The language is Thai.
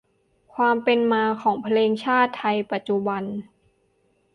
ความเป็นมาของเพลงชาติไทยปัจจุบัน